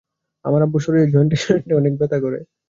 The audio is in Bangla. আমার আব্বুর শরীরের জয়েন্টে জয়েন্টে অনেক ব্যথা করে।